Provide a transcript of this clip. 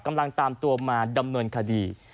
กำลังตามตัวมาดำเนินคดี